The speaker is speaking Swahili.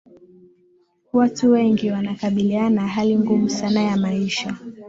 watu wengi wanakabiliana na hali ngumu sana ya maisha